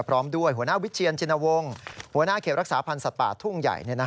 พร้อมด้วยหัวหน้าวิเชียนชินวงศ์หัวหน้าเขตรักษาพันธ์สัตว์ป่าทุ่งใหญ่